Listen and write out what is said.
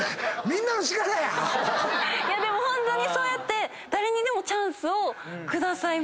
でもホントにそうやって誰にでもチャンスを下さいます。